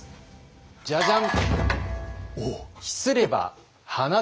じゃじゃん！